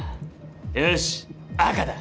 よし赤だ。